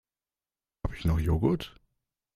Habe ich noch Joghurt?